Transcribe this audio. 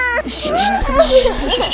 gak mau mama